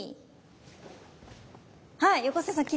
２はい横澤さん